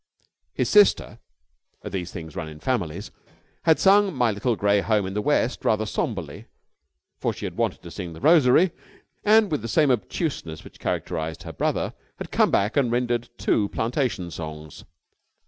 His sister these things run in families had sung 'My Little Gray Home in the West' rather sombrely, for she had wanted to sing the 'Rosary,' and, with the same obtuseness which characterised her brother, had come back and rendered two plantation songs.